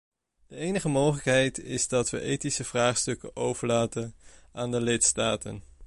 De enige mogelijkheid is dat we ethische vraagstukken overlaten aan de lidstaten.